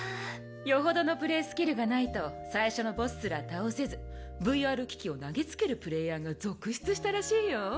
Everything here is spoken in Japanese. よほどのプレイスキルがないと最初のボスすら倒せずＶＲ機器を投げつけるプレイヤーが続出したらしいよ。